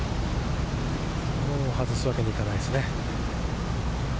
もう外すわけにはいかないですね。